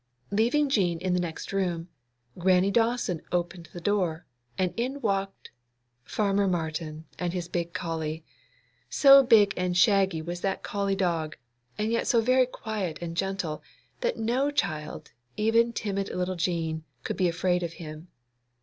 Leaving Jean in the next room, Grannie Dawson opened the door, and in walked—Farmer Martin and his big collie! So big and shaggy was that collie dog, and yet so very quiet and gentle, that no child, even timid little Jean, could be afraid of him.